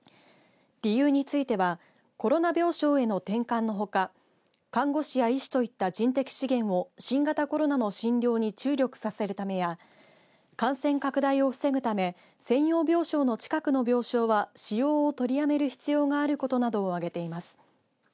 理由についてはコロナ病床への転換のほか看護師や医師といった人的資源を新型コロナの診療に注力させるためや感染拡大を防ぐため専用病床の近くの病床は使用を取りやめる必要があることなどをあげています。